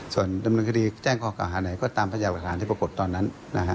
ส่วนดำเนินคดีแจ้งข้อเก่าหาไหนก็ตามพยายามหลักฐานที่ปรากฏตอนนั้นนะฮะ